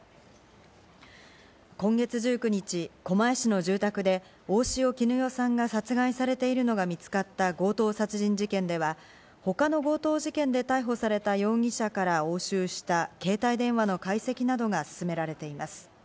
今月１９日、狛江市の住宅で大塩衣与さんが殺害されているのが見つかった強盗殺人事件では、他の強盗事件で逮捕された容疑者から押収した携帯電話の解析などが進められています。